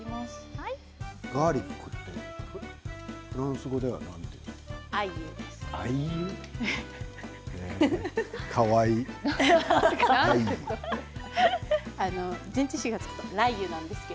ガーリックってフランス語では何て言うんですか。